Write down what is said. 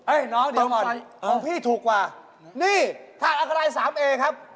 ไอ้น้องเสียใจเลยเสียใจทำไม